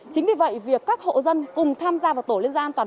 chính vì vậy việc các hộ dân cùng tham gia vào tổ liên gia an toàn